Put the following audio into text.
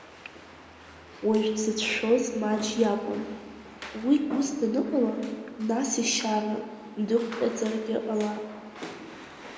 Уажә дзыцәшәоз Маџь иакәын, уигь ус даныҟала, нас ишьара дықәҟьаӡаргьы ҟалап.